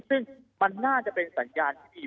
ซึ่งมันน่าจะเป็นสัญญาณที่ดี